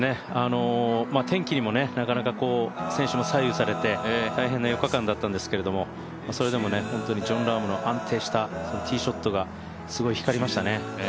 天気にもなかなか選手も左右されて、大変な４日間だったんですけれどもそれでもジョン・ラームの安定したティーショットが光りましたね。